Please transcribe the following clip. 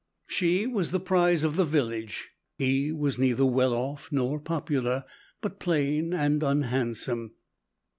She was the prize of the village; he was neither well off nor popular, but plain and unhandsome.